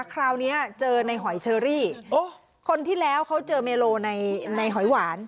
คราวนี้เจอในหอยเชอรี่คนที่แล้วเขาเจอเมโลในในหอยหวาน